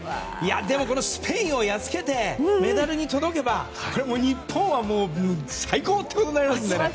でも、スペインをやっつけてメダルに届けばこれもう日本は最高ってことになりますから。